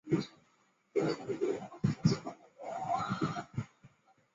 下午初段香港普遍地区受到东北强风影响。